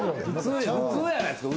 普通やないですか